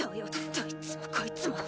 どいつもこいつも。